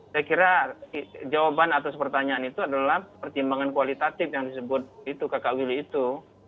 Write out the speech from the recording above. saya kira jawaban atas pertanyaan itu adalah pertimbangan kualitatif yang disebut itu kakak willy itu